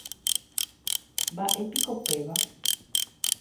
¿Mbaʼépiko péva?